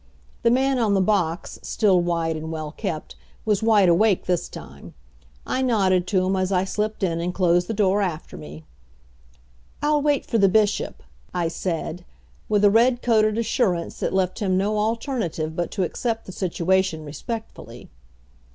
The man on the box still wide and well kept was wide awake this time. I nodded to him as I slipped in and closed the door after me. "I'll wait for the Bishop," I said, with a red coated assurance that left him no alternative but to accept the situation respectfully.